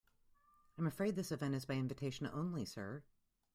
I'm afraid this event is by invitation only, sir.